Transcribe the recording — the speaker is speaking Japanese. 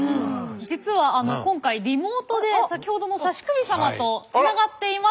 実は今回リモートで先ほどの指首様とつながっています。